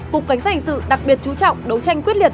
cục cảnh sát hình sự đặc biệt chú trọng đấu tranh quyết liệt